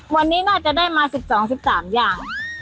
วันนี้น่าจะได้มา๑๒๑๓อย่าง